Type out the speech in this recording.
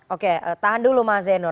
oke tahan dulu mas zeno